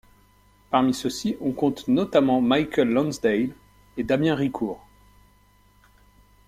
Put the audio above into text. Parmi ceux-ci on compte notamment Michael Lonsdale et Damien Ricour.